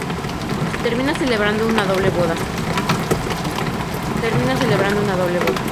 Se termina celebrando una doble boda.